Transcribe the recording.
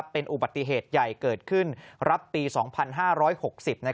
เป็นอุบัติเหตุใหญ่เกิดขึ้นรับปี๒๕๖๐